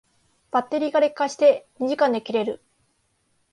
バッテリーが劣化して二時間で切れる